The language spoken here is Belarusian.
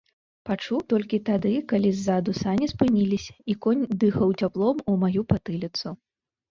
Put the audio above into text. Пачуў толькі тады, калі ззаду сані спыніліся, і конь дыхаў цяплом у маю патыліцу.